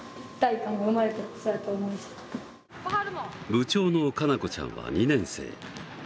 部長のかなこちゃんは２年生。